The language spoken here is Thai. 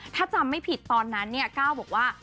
ถ้าจำไม่ผิดตอนนั้นเนี่ยก้าวบอกว่า